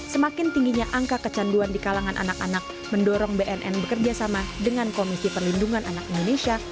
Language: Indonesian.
semakin tingginya angka kecanduan di kalangan anak anak mendorong bnn bekerjasama dengan komisi perlindungan anak indonesia